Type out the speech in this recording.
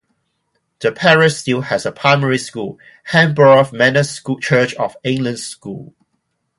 The parish still has a primary school: Hanborough Manor Church of England School.